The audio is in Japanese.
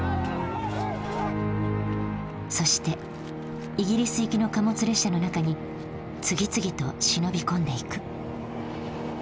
そしてイギリス行きの貨物列車の中に次々と忍び込んでいく。